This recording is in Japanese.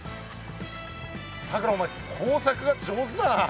さくらお前工作が上手だな。